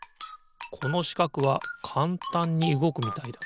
このしかくはかんたんにうごくみたいだ。